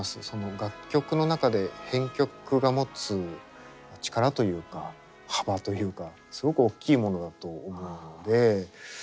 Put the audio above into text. その楽曲の中で編曲が持つ力というか幅というかすごくおっきいものだと思うので。